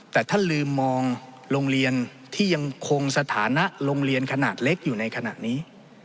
แต่ท่านลืมมองโรงเรียนที่ยังคงสถานะโรงเรียนขนาดเล็กอยู่ในขณะนี้